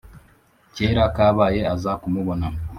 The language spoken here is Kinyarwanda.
Kera kabaye aza kumubona